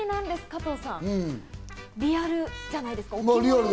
加藤さん、リアルじゃないですか？